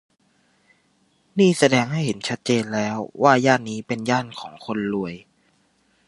นี่แสดงให้เห็นชัดเจนแล้วว่าย่านนี้เป็นย่านของคนรวย